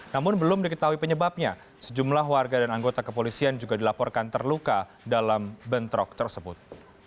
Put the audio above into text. namun belum diketahui penyebabnya sejumlah warga dan anggota kepolisian juga dilaporkan terluka dalam bentrok tersebut